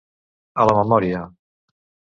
A la memòria.